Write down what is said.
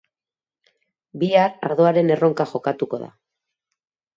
Bihar ardoaren erronka jokatuko da.